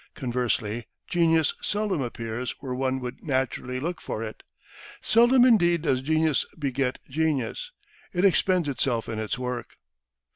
Conversely, genius seldom appears where one would naturally look for it. Seldom indeed does genius beget genius. It expends itself in its work.